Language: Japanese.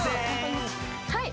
はい。